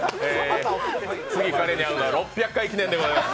次、彼に会うのは６００回記念でございます。